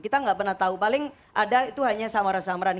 kita nggak pernah tahu paling ada itu hanya samaran samaran